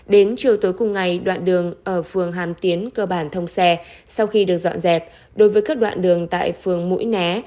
đến chiều tối cùng ngày đoạn đường ở phường hàm tiến cơ bản thông xe sau khi được dọn dẹp đối với các đoạn đường tại phường mũi né